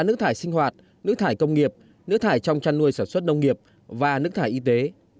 nước thải sinh hoạt nước thải công nghiệp nước thải trong chăn nuôi sản xuất nông nghiệp và nước thải y tế